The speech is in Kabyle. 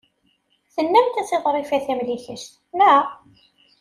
Tennamt-as i Ḍrifa Tamlikect, naɣ?